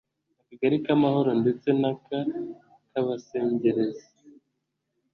Akagali k’Amahoro ndetse n’aka Kabasengerezi